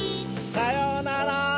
さようなら。